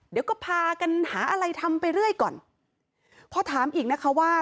เดี๋ยวก็พากันหาอะไรทำไปเรื่อยก่อนพอถามอีกนะคะว่า